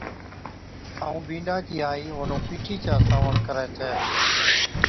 ائُون بِينڏا چِي آئِي اونَھُون پِيٺِي چا سنوَڻ ڪرَي ڇَي